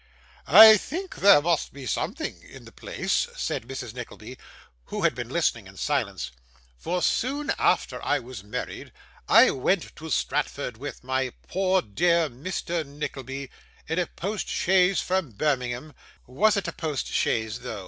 'I think there must be something in the place,' said Mrs. Nickleby, who had been listening in silence; 'for, soon after I was married, I went to Stratford with my poor dear Mr. Nickleby, in a post chaise from Birmingham was it a post chaise though?